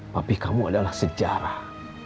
papih kamu adalah sejarah